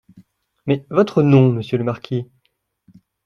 Mais votre nom, monsieur le marquis ?